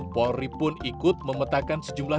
polri pun ikut memetakan sejumlah